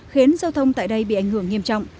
khiến giao thông tại đây bị ảnh hưởng nghiêm trọng